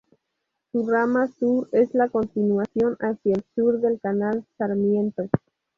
Su rama sur es la continuación hacia el sur del canal Sarmiento.